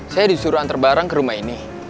saya disuruh antar barang ke rumah ini